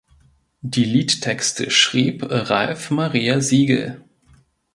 Die Liedtexte schrieb Ralph Maria Siegel.